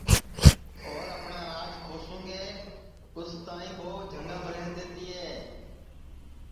اور اپٹؔا راج کھوسُونگے اُس تائی ٻو جھنگام ہی رہتے تیے